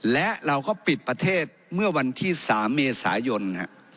และเราก็ปิดประเทศเมื่อวันที่๓เมษายน